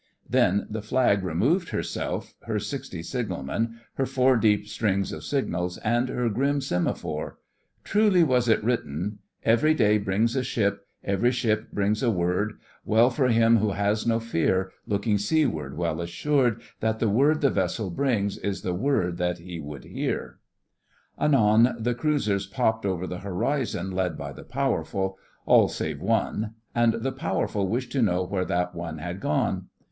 Then the Flag removed herself, her sixty signalmen, her four deep strings of signals, and her grim semaphore. Truly was it written: 'Every day brings a ship, Every ship brings a word, Well for him who has no fear Looking seaward, well assured That the word the vessel brings Is the word that he would hear.' Anon the cruisers popped over the horizon, led by the Powerful—all save one—and the Powerful wished to know where that one had gone.